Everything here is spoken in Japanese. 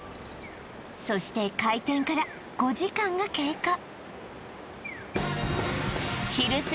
そして開店から５時間が経過